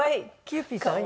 キユーピーさん。